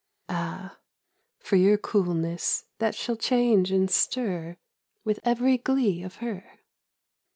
Ah, for your coolness that shall change and stir With every glee of her!